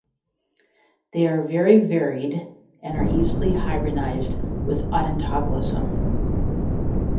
They are very varied and are easily hybridised with "Odontoglossum".